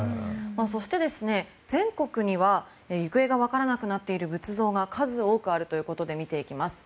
そして、全国には行方がわからなくなっている仏像が数多くあるということで見ていきます。